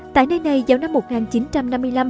tại nơi này giàu năm một nghìn chín trăm năm mươi năm